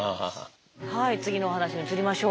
はい次のお話に移りましょう。